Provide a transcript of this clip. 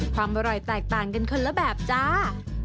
ความอร่อยแตกต่างกันคนละแบบจ้า